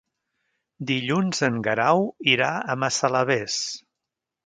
Dilluns en Guerau irà a Massalavés.